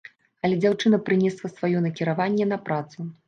Але дзяўчына прынесла сваё накіраванне на працу.